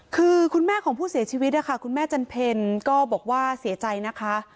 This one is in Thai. คือคุณแม่ของผู้เสียชีวิตนะคะคุณแม่จันเพลก็บอกว่าเสียใจนะคะ